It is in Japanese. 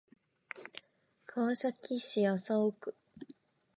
川崎市麻生区